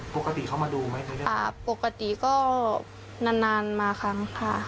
ปกติเข้ามาดูไหมปกติก็นานนานมาครั้งค่ะ